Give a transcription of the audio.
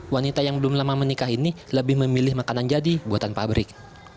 wanita yang belum lama menikah ini lebih memilih makanan jadi buatan pabrik